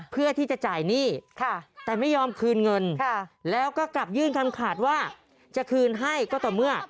เพื่อที่จะจ่ายหนี้แต่ไม่ยอมคืนเงินแล้วก็กลับยื่นคำขาดว่าจะคืนให้ก็ต่อเมื่อ